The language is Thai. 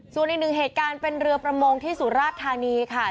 ส่วนอีกหนึ่งเหตุการณ์เป็นเรือประมงที่สุราชธานีค่ะ